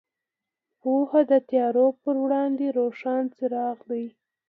پوهه د تیارو پر وړاندې روښان څراغ دی.